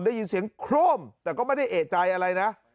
ได้ยินเสียงโคร่มแต่ก็ไม่ได้เอกใจอะไรนะ